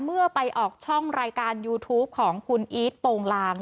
เมื่อไปออกช่องรายการยูทูปของคุณอีทโปรงลาง